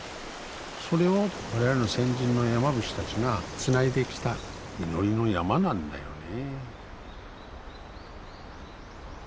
それを我々の先人の山伏たちがつないできた祈りの山なんだよね。